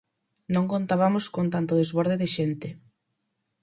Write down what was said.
Non contabamos con tanto desborde de xente.